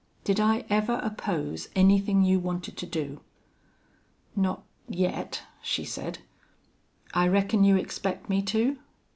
Did I ever oppose anythin' you wanted to do?" "Not yet," she said. "I reckon you expect me to?"